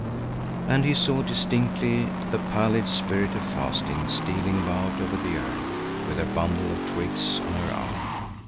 And he saw distinctly the pallid Spirit of Fasting stealing about over the earth with her bundle of twigs on her arm.